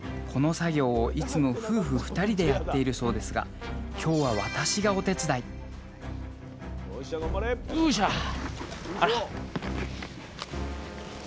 この作業をいつも夫婦２人でやっているそうですが今日は私がお手伝いよいしゃ！